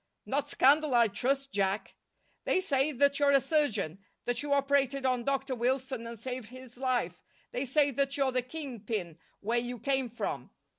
"Not scandal, I trust, Jack!" "They say that you're a surgeon; that you operated on Dr. Wilson and saved his life. They say that you're the king pin where you came from."